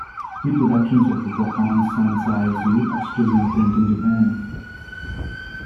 Reproductions of the "Wakan Sansai Zue" are still in print in Japan.